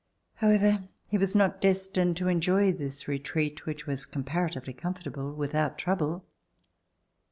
However, he was not destined to enjoy this retreat, which was comparatively comfortable, without trouble.